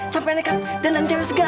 sampai nekat dan mencari segala